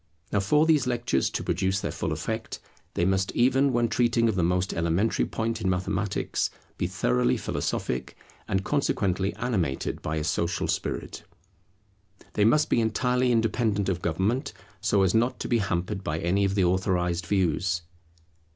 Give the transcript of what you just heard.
Now for these lectures to produce their full effect, they must even when treating of the most elementary point in mathematics, be thoroughly philosophic and consequently animated by a social spirit. They must be entirely independent of government, so as not to be hampered by any of the authorized views.